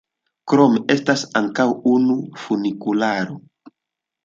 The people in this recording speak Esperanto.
Krome estas ankaŭ unu funikularo.